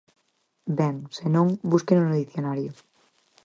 Ben, se non, búsqueno no dicionario.